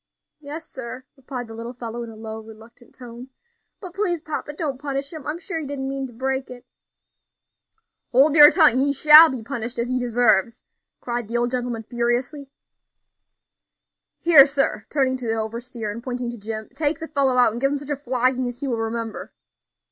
"Yes, sir," replied the little fellow, in a low, reluctant tone; "but please, papa, don't punish him. I'm sure he didn't mean to break it." "Hold your tongue! he shall be punished as he deserves," cried the old gentleman, furiously. "Here, sir," turning to the overseer, and pointing to Jim, "take the fellow out, and give him such a flogging as he will remember."